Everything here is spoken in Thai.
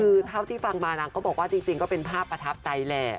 คือเท่าที่ฟังมานางก็บอกว่าจริงก็เป็นภาพประทับใจแหละ